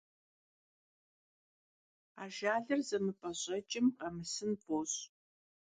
Ajjalır zemıp'eş'eç'ım khemısın f'oş'.